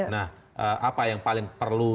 nah apa yang paling perlu